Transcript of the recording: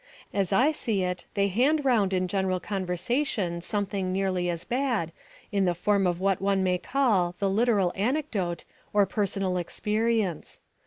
As I see it, they hand round in general conversation something nearly as bad in the form of what one may call the literal anecdote or personal experience.